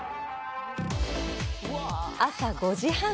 朝５時半。